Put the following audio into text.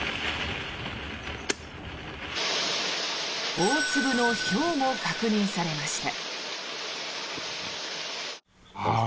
大粒のひょうも確認されました。